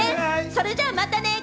それじゃあ、またね！